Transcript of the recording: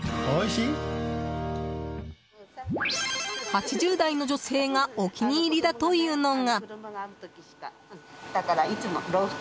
８０代の女性がお気に入りだというのが。